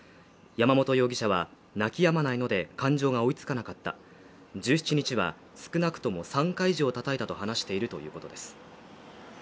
山本容疑者は泣き止まないので、感情が追いつかなかった１７日は、少なくとも３回以上叩いたと話しているということです。